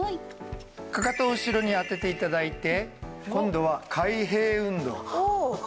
かかとを後ろに当てて頂いて今度は開閉運動になります。